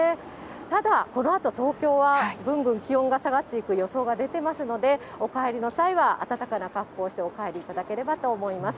ただ、このあと東京は、ぐんぐん気温が下がっていく予想が出ていますので、お帰りの際は暖かな格好をしてお帰りいただければと思います。